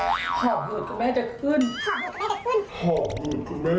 ความฝรั่งอะไรกับแม่จะขึ้น